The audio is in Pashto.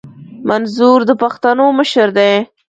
منظور د پښتنو مشر دي